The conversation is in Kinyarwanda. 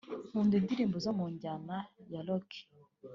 Nkunda indirimbo zo mu njyana ya Rock